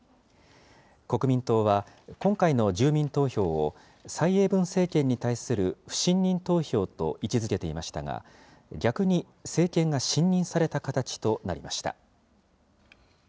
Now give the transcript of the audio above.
国民党は、今回の住民投票を蔡英文政権に対する不信任投票と位置づけていましたが、逆に政権が信任された形となりました。